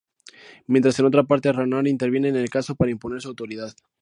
Mientras en otra parte Renard interviene en el caso para imponer su autoridad.